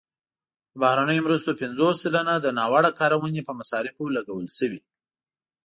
د بهرنیو مرستو پنځوس سلنه د ناوړه کارونې په مصارفو لګول شوي.